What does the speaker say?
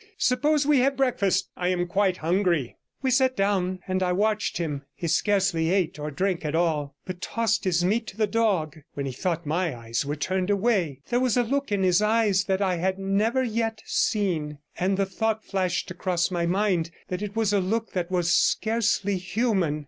Suppose we have breakfast; I am quite hungry.' We sat down and I watched him. He scarcely ate or drank at all, but tossed his meat to the dog when he thought my eyes were turned away; there was a look in his eyes that I had never yet seen, and the thought flashed across my mind that it was a look that was scarcely human.